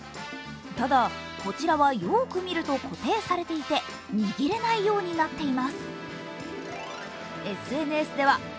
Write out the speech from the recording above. ただこちらは、よく見ると固定されていて握れないようになっています。